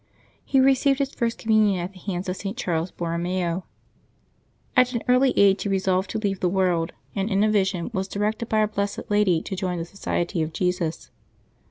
He received his first Communion at the hands of St. Charles Borromeo. At an early age he resolved to leave the world, and in a vision was directed by our blessed Lady to join the Society of Jesus.